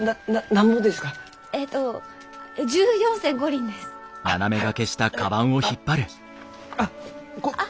えあっあっ。